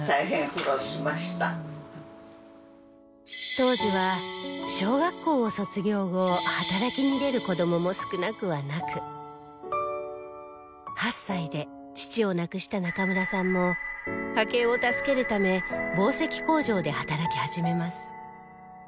当時は小学校を卒業後働きに出る子供も少なくはなく８歳で父を亡くした中村さんも家計を助けるため紡績工場で働き始めます